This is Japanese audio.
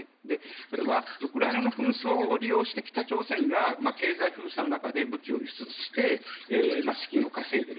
それはウクライナの紛争を利用して、北朝鮮が経済封鎖の中で武器を輸出して資金を稼いでいる。